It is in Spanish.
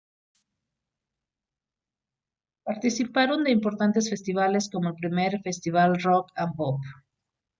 Participaron de importantes festivales como el "Primer Festival Rock and Pop".